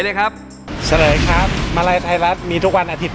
เฉลยครับมาลัยไทยรัดมีทุกวันอาทิตย์